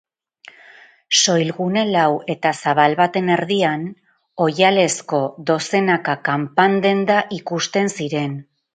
Soilgune lau eta zabal baten erdian, oihalezko dozenaka kanpadenda ikusten ziren.